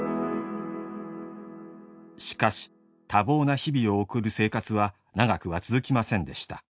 しかし多忙な日々を送る生活は長くは続きませんでした。